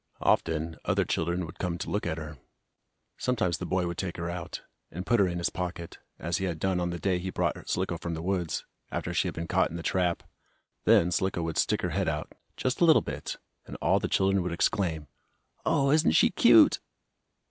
Often other children would come to look at her. Sometimes the boy would take her out, and put her in his pocket, as he had done on the day he brought Slicko from the woods, after she had been caught in the trap. Then Slicko would stick her head out, just a little bit, and all the children would exclaim: "Oh, isn't she cute!"